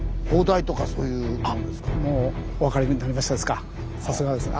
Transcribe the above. あっもうお分かりになりましたですか。